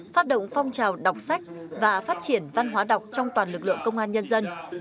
phát động phong trào đọc sách và phát triển văn hóa đọc trong toàn lực lượng công an nhân dân